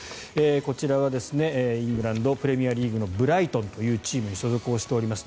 こちらはイングランド・プレミアリーグのブライトンというチームに所属をしております。